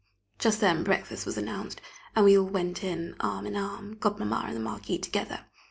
Just then breakfast was announced, and we all went in arm in arm, Godmamma and the Marquis together.